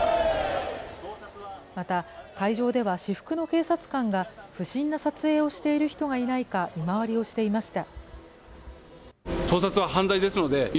また会場では、私服の警察官が不審な撮影をしている人がいないか見回りをしていました。